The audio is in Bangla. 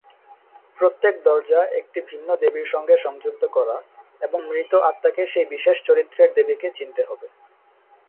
প্রত্যেক দরজা একটি ভিন্ন দেবীর সঙ্গে সংযুক্ত করা, এবং মৃত আত্মাকে সেই বিশেষ চরিত্রের দেবীকে চিনতে হবে।